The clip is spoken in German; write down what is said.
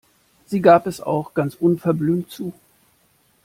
Sie gab es auch ganz unverblümt zu.